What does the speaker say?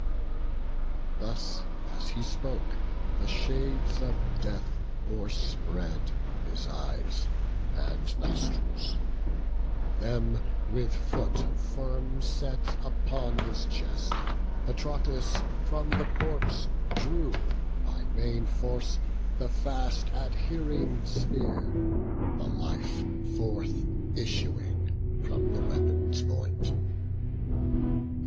Thus as he spoke, the shades of death o'erspread His eyes and nostrils; then with foot firm set Upon his chest, Patroclus from the corpse Drew, by main force, the fast adhering spear; The life forth issuing with the weapon's point.